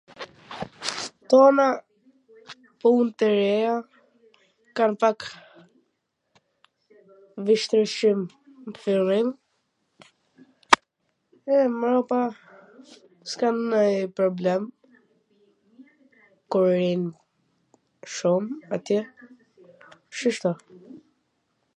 ktona punt e reja ksam psk vwshtirsi n fillim, e mrapa s kam nanj problem kur rrin shum atje, shishto.